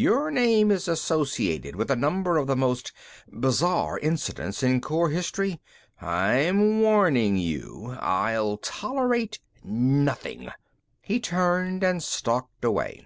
Your name is associated with a number of the most bizarre incidents in Corps history. I'm warning you; I'll tolerate nothing." He turned and stalked away.